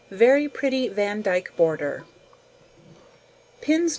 Very Pretty Vandyke Border. Pins No.